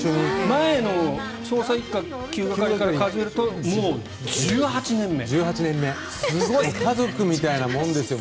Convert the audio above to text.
前の「捜査一課９係」の時からするともう１８年目、すごい！家族みたいなものですよ。